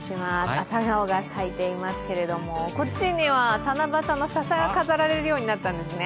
アサガオが咲いていますけれどもこっちには七夕のささが飾られるようになったんですね。